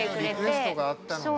リクエストがあったのね。